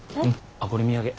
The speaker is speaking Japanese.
あっこれ土産。